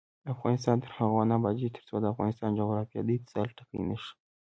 افغانستان تر هغو نه ابادیږي، ترڅو د افغانستان جغرافیه د اتصال ټکی نشي.